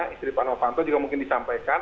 istri pak novanto juga mungkin disampaikan